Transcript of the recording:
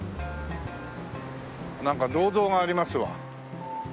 なんか銅像がありますわ。